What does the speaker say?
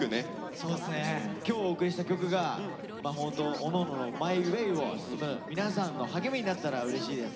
今日お送りした曲が本当おのおののＭｙｗａｙを進む皆さんの励みになったらうれしいです。